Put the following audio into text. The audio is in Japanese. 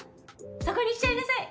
そこにしちゃいなさい。